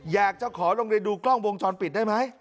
อยากจะขอโรงเรียนดูกล้องวงจรปิดได้ไหม